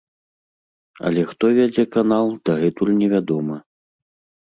Але хто вядзе канал, дагэтуль невядома.